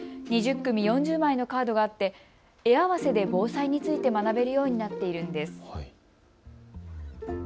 ２０組４０枚のカードがあって絵合わせで防災について学べるようになっているんです。